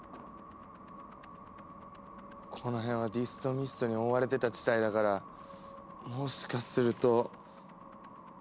この辺はディストミストに覆われてた地帯だからもしかすると。